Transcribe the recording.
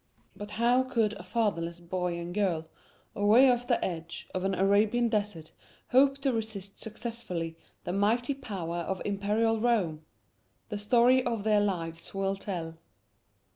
But how could a fatherless boy and girl, away off on the edge of an Arabian desert, hope to resist successfully the mighty power of Imperial Rome? The story of their lives will tell.